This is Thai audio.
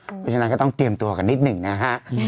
เพราะฉะนั้นก็ต้องเตรียมตัวกันนิดหนึ่งนะฮะ